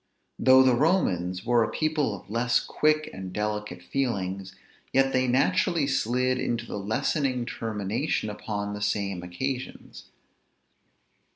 Though the Romans were a people of less quick and delicate feelings, yet they naturally slid into the lessening termination upon the same occasions.